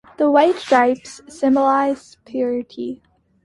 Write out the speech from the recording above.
The white stripes symbolize purity.